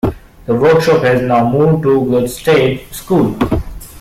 The workshop has now moved to Gludsted School.